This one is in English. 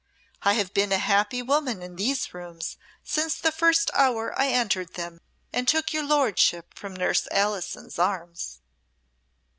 I have been a happy woman in these rooms since the first hour I entered them and took your lordship from Nurse Alison's arms."